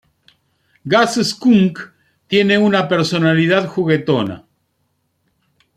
Gas Skunk tiene una personalidad juguetona.